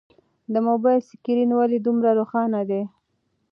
د موبایل سکرین ولې دومره روښانه دی؟